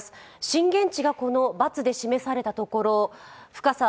震源地がこのバツで示されたところ、深さ